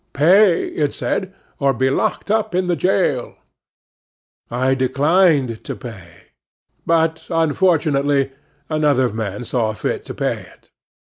"Pay it," it said, "or be locked up in the jail." I declined to pay. But, unfortunately, another man saw fit to pay it.